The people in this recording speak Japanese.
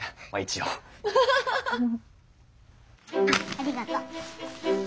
ありがとう。